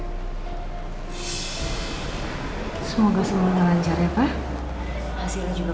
semoga semua ngancar ya pa